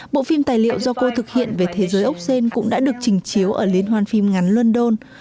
bộ phim tài liệu do cô thực hiện về thế giới ốc sen cũng đã được trình chiếu ở liên hoan phim ngắn london